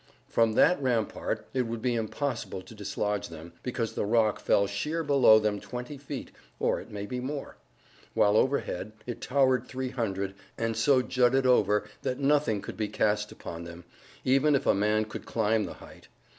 From that rampart it would be impossible to dislodge them, because the rock fell sheer below them twenty feet, or it may be more; while overhead it towered three hundred, and so jutted over that nothing could be cast upon them, even if a man could climb the height.